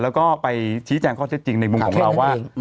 แล้วก็ไปชี้แจงข้อเท็จจริงในมุมของเราว่า